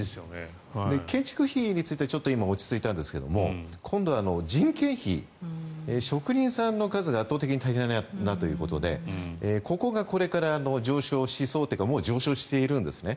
建築費については今、落ち着いたんですが今度は人件費、職人さんの数が圧倒的に足りないということでここがこれから上昇しそうというかもう上昇しているんですね。